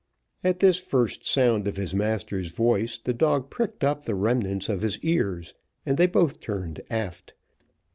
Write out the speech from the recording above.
At this first sound of his master's voice the dog pricked up the remnants of his ears, and they both turned aft.